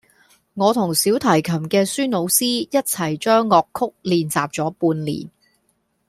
我同小提琴嘅孫老師一齊將樂曲練習咗半年